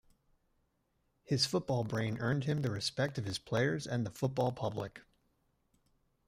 His football brain earned him the respect of his players and the football public.